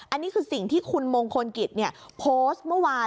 อันนี้คือสิ่งที่คุณมงคลกิจโพสต์เมื่อวาน